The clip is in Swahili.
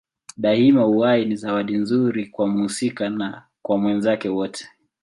Daima uhai ni zawadi nzuri kwa mhusika na kwa wenzake wote.